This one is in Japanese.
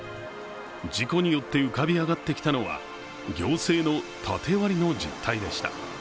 事故によって浮かび上がってきたのは行政の縦割りの実態でした。